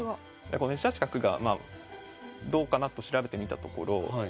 この１八角がどうかなと調べてみたところ。